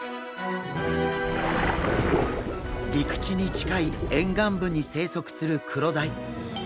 陸地に近い沿岸部に生息するクロダイ。